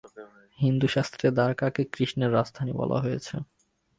হিন্দুশাস্ত্রে দ্বারকাকে কৃষ্ণের রাজধানী বলা হয়েছে।